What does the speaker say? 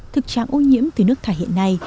thực trạng ô nhiễm từ nước thải hiện nay